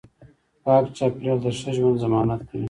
پاک چاپیریال د ښه ژوند ضمانت کوي